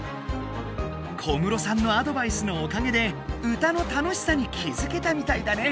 小室さんのアドバイスのおかげで歌の楽しさに気づけたみたいだね。